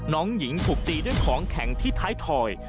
น้องหญิงถูกตีด้วยของแข็งที่ท้ายถอย